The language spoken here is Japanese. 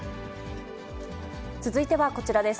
続いてはこちらです。